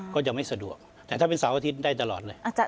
ก็ไม่สะดวกแต่ถ้าเป็นเสาร์อาทิตย์ได้ตลอดเลย